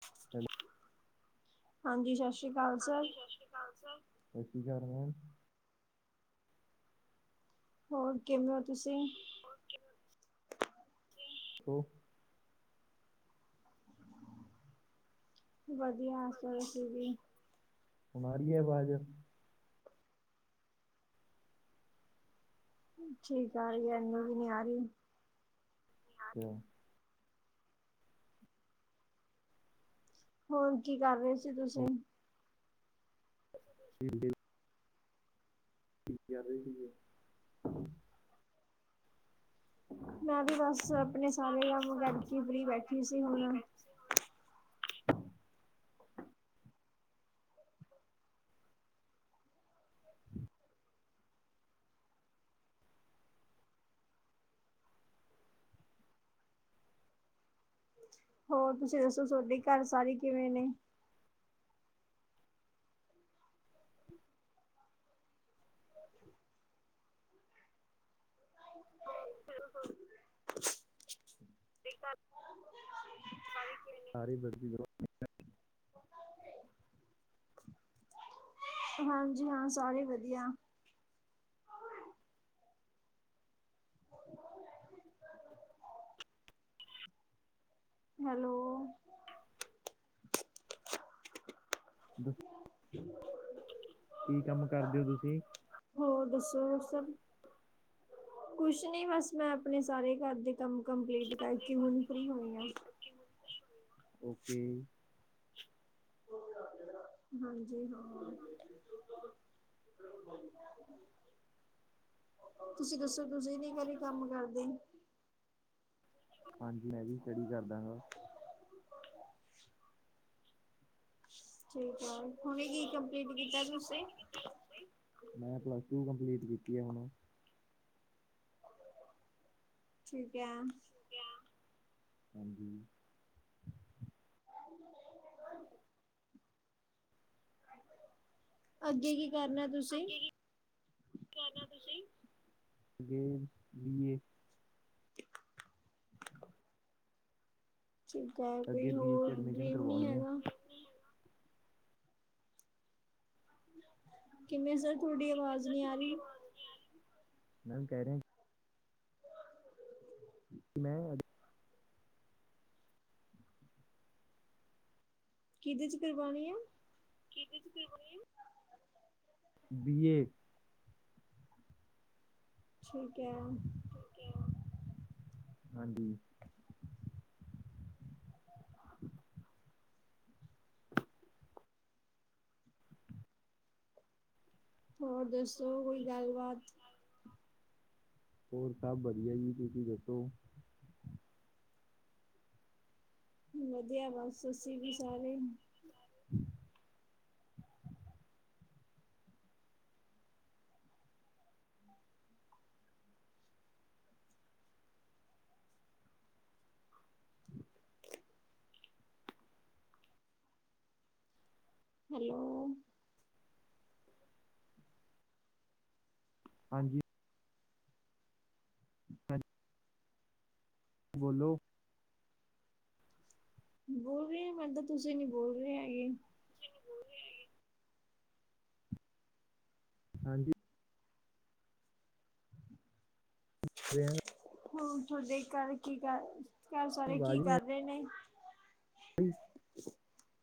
[inaudible] ਹਾਂਜੀ, ਸਤ ਸ੍ਰੀ ਹਾਂਜੀ। ਸਤਿ ਸ਼੍ਰੀ ਅਕਾਲ ਸਰ। ਸਤਿ ਸ੍ਰੀ ਅਕਾਲ। ਮੈਮ। ਹੋਰ ਕਿਵੇਂ ਔ ਤੁਸੀਂ? [inaudible] ਵਧੀਆ [inaudible] ਆ ਰਹੀ ਐ ਆਵਾਜ਼। ਜੀ। ਆਰੀ ਇਨੀ ਵੀ ਨੀ ਆ ਰੀ। [unintelligible] ਹੋਰ ਕੀ ਕਰ ਰਹੇ ਸੀ ਹੋਰ ਤੁਸੀਂ? [inaudible] ਕੀ ਕਹਿ ਰਹੀ ਏ। ਮੈਂ ਵੀ ਬੱਸ ਆਪਣੇ ਸਾਰੇ ਕੰਮ ਕਰਕੇ ਫ੍ਰਰੀ ਬੈਠੀ ਸੀ ਹੁਣ। ਹੋਰ ਤੁਸੀਂ ਦੱਸੋ ਤੁਹਾਡੇ ਘਰ ਸਾਰੀ ਕਿਵੇਂ ਨੇ? ਉਹ ਬਿਲਕੁਲ। [unintelligible] ਹਾਂਜੀ, ਹਾਂ। ਸਾਰੇ ਵਧੀਆ। ਹੈਲੋ ਕੀ ਕੰਮ ਕਰਦੇ ਹੋ ਤੁਸੀਂ? ਹੋਰ ਦੱਸੋ ਕੁਛ ਨੀ ਬਸ ਮੈਂ ਆਪਣੇ ਸਾਰੇ ਘਰ ਦੇ ਮ ਕੰਪਲੀਟ ਕਰਕੇ ਹੁਣ ਫਰੀ ਹੋਈ ਆ। ਓਕੇ। ਹਾਂਜੀ ਹਾਂ ਤੁਸੀਂ ਦੱਸੋ? ਤੁਸੀਂ ਨੀ ਕਰੀ ਕੰਮ ਕਰਦੇ। ਹਾਂਜੀ ਮੈਂ ਵੀ ਸਟੱਡੀ ਕਰਦਾ ਗਾ। ਜਠੀ ਹੁਨ ਕੀ ਕੰਪਲੀਟ ਕੀਤਾ ਤੁਸੀ? ਤੀ ਆਉਣਾ। ਠੀਕ ਹੈ। ਹਾਂਜੀ। ਅੱਗੇ ਕੀ ਕਰਨਾ ਤੁਸੀਂ? ਕੀ ਕਰਨਾ ਤੁਸੀਂਏ? ਚਮਕਾ ਅੱਗੇ ਕੋਈ ਬੀਏ ਚ ਹੋਰ ਐਡਮਿਸ਼ਨ ਡਰੀਮ ਨੀ ਕਰਵਾਉਣੀ ਹੈ ਹੈਗਾ। ਕਿਵੇਂ ਸਰ ਤੁਹਾਡੀ ਕਿਵੇਂ ਆਵਾਜ਼ ਨਹੀਂ ਛੋਟੀ ਆ ਰਹੀ ਹੈ ਬਹੁਤ ਨਹੀਂ ਆਲੀ ਨ ਕਹਿ ਰਹੇ। ਮੈਂ ਅ ਕਿਹਦੇ ਚ ਕਰਵਾਣੀ ਆ। ਕੀ ਕ ਬੀ ਏ। ਠੀਕ ਹੈ। ਹਾਂਜੀ। ਹੋਰ ਦੱਸ? ਚ ਕੋਈ ਗੱਲ ਬਾਤ ਹੋਰ ਸਭ ਵਧੀਆ ਜੀ ਤੁਸੀਂ ਦੱਸੋ? ਵਧੀਆ ਬਸ। ਸੱਸੀਸੀ ਵੀ ਸਾਰੇ [inaudible] ਹੈਲੋ। ਹਾਂਜੀ। ਹਾਂ। ਬੋਲੋ। ਬੋਲ ਰਹੇ ਮੈ ਤਾਂ ਤੁਸੀਂ ਨੀ ਬੋਲ ਰਹੇ ਹੈਗੇ। ਹਾਂਜੀ। ਵ-ਵੇ ਆਂਗਾ ਹ ਥੋੜ ਦੇਖ ਕਰ ਕੀ ਕਰ। ਘਰ ਸਾਰੇ ਕੀ ਆਵਾਜ਼ ਨਹੀਂ ਆ ਕਰ ਰੇ ਨੇ। ਰਹੀ [inaudible]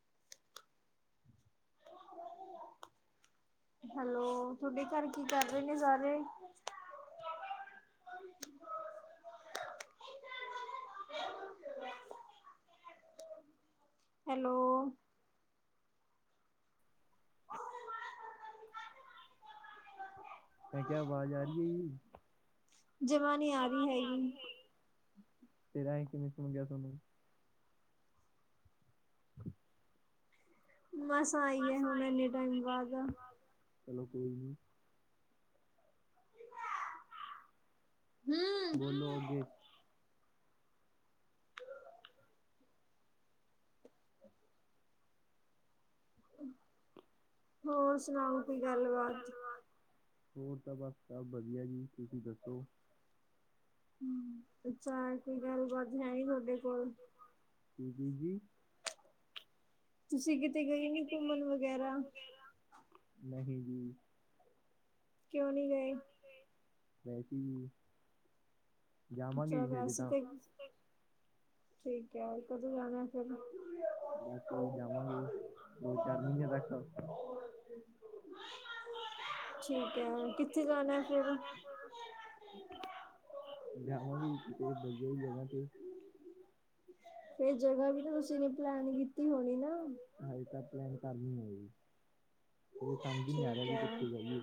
ਹੈਲੋ, ਥੋਡੇ ਘਰ ਕੀ ਕਰ ਰੇ ਨੇ ਸਾਰੇ? ਹੈਲੋ। ਮੈਂ ਕਿਹਾ ਆਵਾਜ਼ ਆ ਰਹੀ ਹੈ ਜੀ ਜਮਾ ਨੀ ਆ ਰੀ ਹੈਗੀ। ਫੇਰ ਐਂ ਕਿਵੇਂ ਸੁਣ ਗਿਆ ਥੋਨੂੰ। ਮਸਾਂ ਆਈ ਐ ਹੁਣ, ਇੰਨੇ ਟਾਈਮ ਬਾਅਦ। ਚਲੋ ਕੋਈ ਨੀ। ਬੋਲੋ ਅੱਗੇ। ਹਮ। ਹੋਰ ਸੁਣਾਓ ਕੋਈ ਗੱਲ ਵਾਤ। ਹੋਰ ਤਾਂ ਬਸ ਸਭ ਵਧੀਆ ਜੀ ਤੁਸੀਂ ਦੱਸੋ। ਹਮ ਅੱਛਾ ਕੋਈ ਗੱਲਬਾਤ ਹੈਨੀ, ਤੁਆਡੇ ਕੋਲ। ਜੀ-ਜੀ? ਤੁਸੀਂ ਕਿਤੇ ਗਏ ਨੀ ਘੁੰਮਣ ਵਗੈਰਾ? ਨਹੀਂ ਜੀ। ਕਿਉਂ ਨੀ ਗਏ। ਵੈਸੇ ਈ ਜੀ। ਹਜੇ ਤਾਂ [unintelligible] ਠੀਕ ਐੈ, ਕਦੋਂ ਜਾਣਾ ਫਿਰ? ਬਸ ਯੀ ਜਾਵਾਂਗੇ, ਦੋ ਚਾਰ ਮਹੀਨੇਆਂ ਤੱਕ ਠੀਕ ਐ, ਅ ਕਿਥ ਜਾਵਾਂਗੇ ਜੀ ਕਿਤੇ, ਵਧੀਆ ਜੀ ਜਗ੍ਹਾ ਤੇ। ਫਿਰ ਜਗ੍ਹਾ ਵੀ ਤਾਂ ਤੁਸੀਂ ਨੇ ਪਲੈਨ ਕੀਤੀ ਹੋਣੀ ਨਾ। ਹਜੇ ਤਾਂ ਪਲੈਨ ਕਰਨੀ ਹੈ ਜੀ ਹਜੇ ਸਮਝ ਨੀ ਆ ਰਿਹਾ ਠੀਕ ਵੀ ਹੈ ਕਿੱਥੇ ਜਾਈਏ।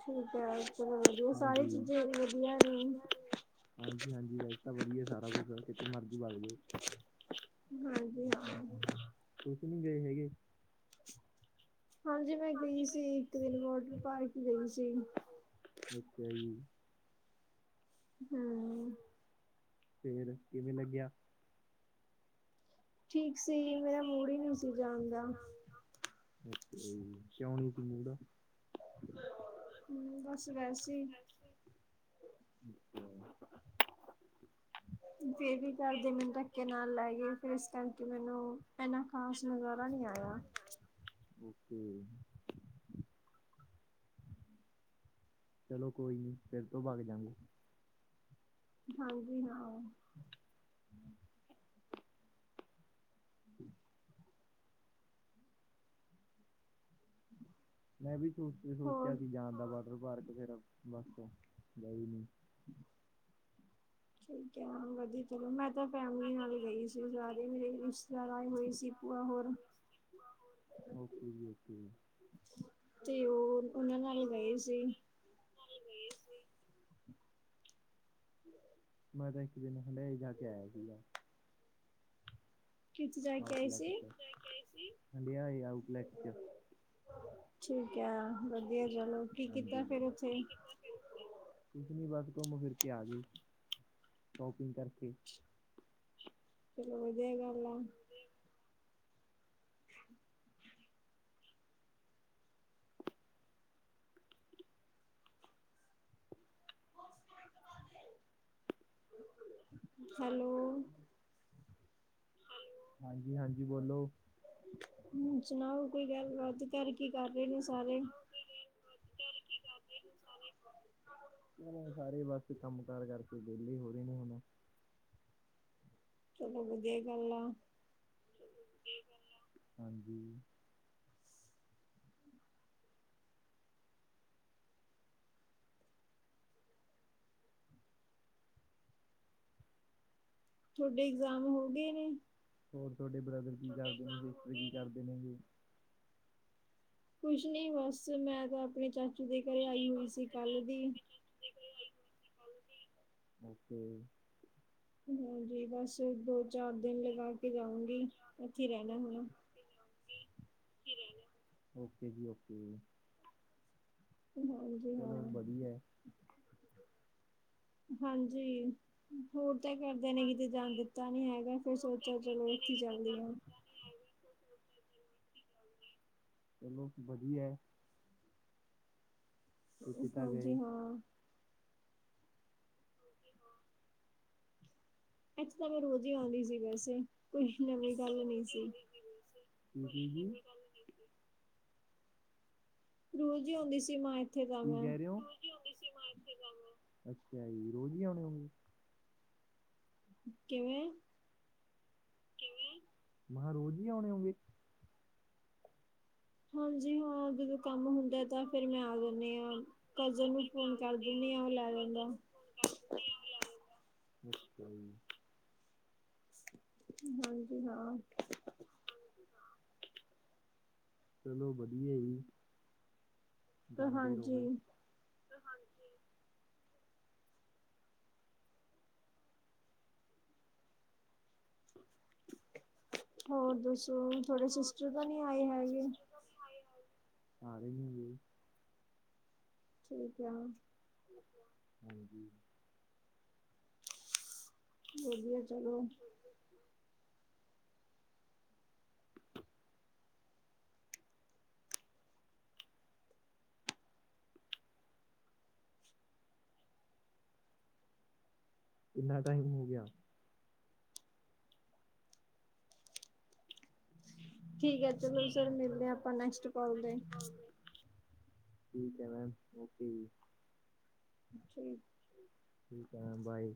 ਠੀਕ ਹੈ ਚਲੋ ਵਧੀਆ ਸਾਰੀ ਹਾਂਜੀ। ਚੀਜ਼ਾਂ ਵਧੀਆ ਨੇ ਹਾਂਜੀ ਹਾਂਜੀ, ਵੈਸੇ ਤਾਂ ਵਧੀਆ ਸਾਰਾ ਕੁਛ ਕਿਤੇ ਮਰਜੀ ਵਗ ਜੋ। ਹਾਂਜੀ ਹਾਂ। ਤੁਸੀ ਨੀ ਗਏ ਹੈਗੇ? ਹਾਂਜੀ ਮੈਂ ਗਈ ਸੀ। ਇੱਕ ਦਿਨ ਵੋਟਰ ਪਾਰਕ ਗਈ ਸੀ। ਅੱਛਾ ਜੀ। ਹਮ। ਫਿਰ ਕਿਵੇਂ ਲੱਗਿਆ ਠੀਕ ਸੀ ਠੀਕ ਸਹੀ ਮੂਡ ਹੀ ਮੇਰਾ ਨਹੀਂ ਸੀ ਮੂਡ ਹੀ ਨਹੀਂ ਦਾ ਸੀ ਜਾਣ ਦਾ, ਓਕੇ ਜੀ। ਕਿਉਂ ਨੀ ਕੋਈ ਮੂੜ ਆ ਹੁੰ, ਬੱਸ ਵੈਸ ਜੀ ਫੇਰ ਵੀ ਘਰ ਦੇ ਮੈਨੂ ਧੱਕੇ ਨਾਲ ਲੈ ਗੇ ਫੇਰ ਇਸ ਕਰਕੇ ਮੈਨੂੰ ਏਨਾ ਖ਼ਾਸ ਨਜ਼ਾਰਾ ਨਈ ਆਏਆ। ਹੂੰ ਚਲੋ ਕੋਈ ਨੀ, ਫੇਰ ਤੋਂ ਬਗ ਜਾਂਗੇ। ਹਾਂਜੀ, ਹਾਂ। [inaudible] ਮੈਂ ਵੀ ਝੂਠ ਹੀ ਸੋਚਿਆ ਹੋਰ ਸੀ ਜਾਣ ਦਾ ਬਸ [unintelligible] ਬਸ ਗਈ ਨੀ। ਠੀਕ ਹੈ। ਵਧੀਆ ਚਲੋ ਮੈਂ ਸਾਰੇ ਤਾਂ ਫੈਮਿਲੀ ਨਾਲ ਗਈ ਸੀ ਮੇਰੇ ਸਾਰੇ ਰਿਸਤੇਦਾਰ ਆਏ ਰਿਸ਼ਤੇਦਾਰ ਹੋਏ ਸੀ ਭੂਆ ਹੋਰ ਹੋਏ ਸੀ। ਭੂਆ ਹੋਰ, ਓਕੇ ਜੀ, ਓਕੇ ਜੀ। ਤੇ, ਉਹ ਉਹਨਾਂ ਨਾਲ ਗਏ ਸੀ। ਨਲ ਗਏ ਸੀ। ਮੈਂ ਤਾਂ ਇੱਕ ਦਿਨ ਹਨੇਈ ਜਾ ਕੇ ਆਏਆ ਸੀਗਾ। ਕਿੱਥੇ ਜਾ ਕੇ ਆਏ ਸੀ [unintelligible] ਹਡੇਆ ਏ ਆਉਟਲੇਟ ਚ, ਠੀਕ ਹੈ ਠੀਕ ਵਧੀਆ ਯਾ ਚਲੋ ਕੀ ਹਾਂਜੀ ਕੀਤਾ ਫਿਰ [unintelligible] ਉੱਥੇ ਕਿ ਕੀਤਾ ਓਥੇ, ਕੁਝ ਨੀ ਬਸ ਘੁੰਮ ਫਿਰ ਕੇ ਆਗੇ ਸ਼ੋਪਿੰਗ ਕਰਕੇ। ਬੋ ਵਦੀਆ ਗੱਲ ਆ। [inaudible] ਹੈਲੋ ਹਾਂਜੀ, ਹਾਂਜੀ ਬੋਲੋ। ਹੂੰ, ਸੁਨਾਓ ਕੋਈ ਗੱਲ-ਬਾਤ ਘਰ ਕੀ ਕਰ ਰੲਏ ਨੇ ਸਾਰੇ? ਹੂੰ। ਸਾਰੇ ਬਸ ਕੰਮ ਕਾਰ ਕਰਕੇ ਵੇਲੇ ਹੋ ਰਹੇ ਨੇ ਹੋਣ। ਚਲੋ, ਵਦੀਆ ਗੱਲ ਆ। ਹਾਂਜੀ। ਥੋਡੇ ਇਗਜ਼ਾਮ ਹੋ ਗੇ ਨੇ? ਹੋਰ ਥੋਡੇ ਬ੍ਰਦਰ ਕੀ ਕਰਦੇ ਨੇ ਗੇ? ਤੂਸੀ ਕੀ ਕਰਦੇ ਨੇ ਗੇ? ਕੁਸ਼ ਨੀ ਬਸ, ਮੈਂ ਤੇ ਆਪਣੀ ਚਾਚੀ- ਕਿਦੇ ਘਰੇ ਆਈ ਹੋਈ ਸੀ ਕੱਲ ਦੀ। ਓਕੇ ਹਾਂਜੀ, ਬਸ ਦੋ ਚਾਰ ਦਿਨ ਗਾ ਕੇ ਜਾਊਗੀ, ਉੱਥੇ ਹੀ ਰਹਿਣਾ ਹੁਣ ਓਕੇ ਜੀ, ਓਕੇ ਜੀ। ਹਾਂਜੀ ਹਾਂ ਚਲੋ ਬਦੀਐ। ਹਾਂਜੀ, ਹੋਰ ਕੇਆ ਕਰਦੇ ਨੇ ਕਿਤੇ ਜਾਨ ਦਿੱਤਾ ਨੀ ਹੈਗਾ, ਫੇਰ ਸੋਚੇਆ ਚਲੋ ਇੱਥੇ ਚੱਲਦੀ ਆਂ। ਚਲੋ ਵਦੀਐ। ਹਾਂਜੀ ਗਏ ਹਾਂ। ਇੱਥੇ ਤਾਂ ਮੈਂ ਰੋਜ਼ ਹੀ ਆਉਂਦੀ ਸੀ ਵੈਸੇ ਕੁਛ ਨਵੀਂ ਗੱਲ ਨੀ ਸੀ। ਜੀ- ਜੀ। ਰੋਜ਼ ਈ ਆਉਂਦੀ ਸੀ ਮੈਂ ਇੱਥੇ ਤਾਂ ਕੀ ਮੈਂ ਕਹਿ ਰਹੇ ਹੋ? ਇਥੇ ਤਾਂ ਮੈਂ ਅੱਛਾ ਜੀ ਰੋਜ਼ ਹੀ ਆਉਣੇ ਹੋ ਗੇ। ਕਿਵੇਂ? ਕਿਵੇਂ ਮਹਾਂ ਕਿਹਾ ਰੋਜ਼ ਹੀ ਆਉਣੇ ਹੋਗੇ। ਹਾਂਜੀ ਹਾਂ ਜਦੋਂ ਕੰਮ ਹੁੰਦਾ। ਤਾਂ ਫੇਰ ਮੈਂ ਆ ਦਿੰਦੀ ਹਾਂ ਕਜ਼ਨ ਨੂੰ ਫੋਨ ਕਰ ਦਿੰਦੀ ਆ ਉਹ ਲੈ ਜਾਂਦਾ। ਅੱਛਾ ਜੀ। ਹਾਂਜੀ ਹਾਂ। ਚਲੋ ਵਧੀਆ ਜੀ। ਤੇ ਹਾਂਜੀ। ਤੇ ਹਾਂਜੀ। ਹੋਰ ਦੱਸੋ ਤੁਹਾਡੇ ਸਿਸਟਰ ਤਾਂ ਨੀ ਆਏ ਹੈਗੇ। ਆ ਰੇ ਨੇਗੇ। ਠੀਕ ਆ। ਹਾਂਜੀ। ਵਧੀਆ ਚਲੋ। ਕਿੰਨਾ ਟਾਈਮ ਹੋ ਗਿਆ। ਠੀਕ ਹੈ ਚਲੋ ਸਰ ਮਿਲਦੇ ਹਾਂ ਆਪਾਂ ਨੈਕਸਟ ਕਾਲ ਤੇ। ਠੀਕ ਹੈ, ਮੈਮ ਓਕੇ ਜੀ। ਅੱਛਾ ਜੀ। ਠੀਕ ਹੈ ਮੈਮ ਬਾਏ।